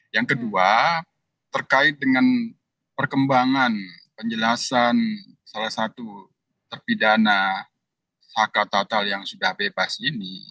yang kedua terkait dengan perkembangan penjelasan salah satu terpidana kakak yang sudah bebas ini